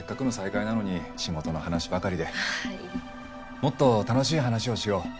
もっと楽しい話をしよう。